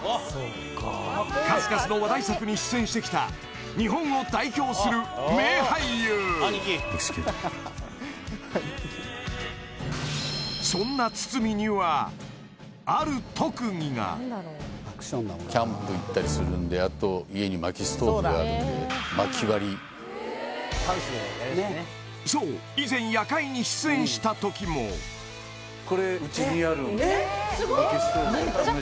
数々の話題作に出演してきた日本を代表する名俳優そんな堤にはキャンプ行ったりするんであと家に薪ストーブがあるんでそう以前「夜会」に出演した時もこれうちにある・すごい！